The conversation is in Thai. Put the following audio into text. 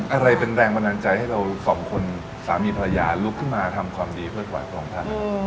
อะไรเป็นแรงบันดาลใจให้เราสองคนสามีภรรยาลุกขึ้นมาทำความดีเพื่อถวายพระองค์ท่าน